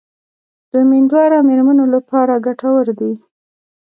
د امیندواره میرمنو لپاره ګټور دي.